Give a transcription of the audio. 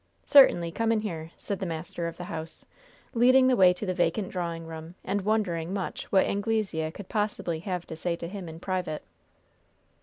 "Certainly. Come in here," said the master of the house, leading the way to the vacant drawing room, and wondering much what Anglesea could possibly have to say to him in private.